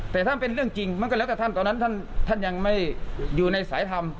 แต่ถ้าเป็นเรื่องจริงมันก็แล้วแต่ท่านตอนนั้นท่านยังไม่อยู่ในสายธรรม